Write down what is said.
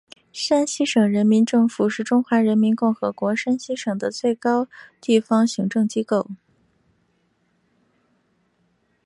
山西省人民政府是中华人民共和国山西省的最高地方行政机构。